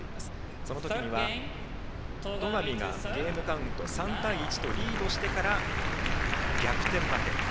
その時には戸上がゲームカウント３対１とリードしてから逆転負け。